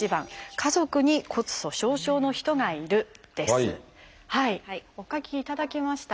次にお書きいただきましたか？